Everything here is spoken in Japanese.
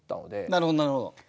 なるほどなるほど。